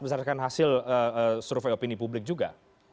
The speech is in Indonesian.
berdasarkan hasil survei opini publik juga